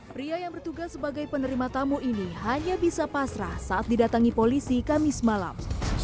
pria yang bertugas sebagai penerima tamu ini hanya bisa pasrah saat didatangi polisi kamis malam